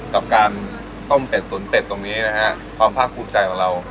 กับการต้มเป็ดตุ๋นเป็ดตรงนี้นะฮะความภาคภูมิใจของเรา